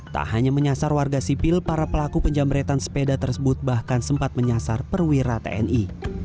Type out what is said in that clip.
tak hanya menyasar warga sipil para pelaku penjamretan sepeda tersebut bahkan sempat menyasar perwira tni